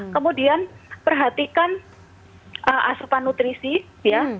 kemudian perhatikan asupan nutrisi ya